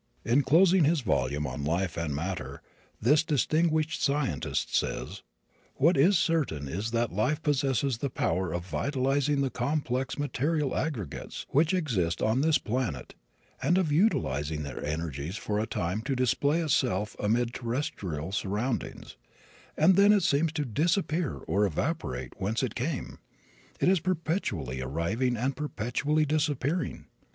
In closing his volume on Life and Matter this distinguished scientist says: "What is certain is that life possesses the power of vitalizing the complex material aggregates which exist on this planet, and of utilizing their energies for a time to display itself amid terrestrial surroundings; and then it seems to disappear or evaporate whence it came. It is perpetually arriving and perpetually disappearing.